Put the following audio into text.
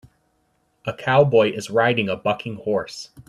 A cowboy is riding a bucking horse.